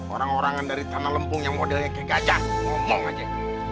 orang orangan dari tanah lempung yang modelnya kek gajah ngomong aja